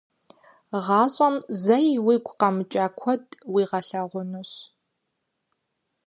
Гъащӏэм зэи уигу къэмыкӏа куэд уигъэлъагъунущ.